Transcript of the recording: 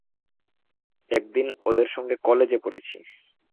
একদিন ওদের সঙ্গে কালেজে পড়েছি।